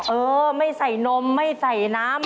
เออไม่ใส่นมไม่ใส่น้ำ